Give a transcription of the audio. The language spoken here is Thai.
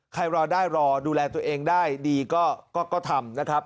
รอได้รอดูแลตัวเองได้ดีก็ทำนะครับ